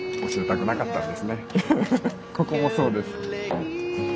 ここもそうです。